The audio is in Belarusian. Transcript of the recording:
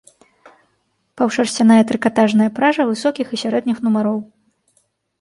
Паўшарсцяная трыкатажная пража высокіх і сярэдніх нумароў.